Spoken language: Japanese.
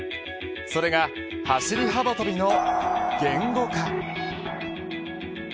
それが走り幅跳びの言語化。